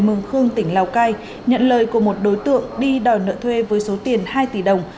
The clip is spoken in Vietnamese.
mường khương tỉnh lào cai nhận lời của một đối tượng đi đòi nợ thuê với số tiền hai tỷ đồng